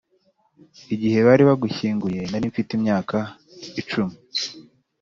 igihe bari bagushyinguye, nari mfite imyaka icumi.